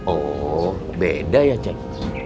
oh beda ya cik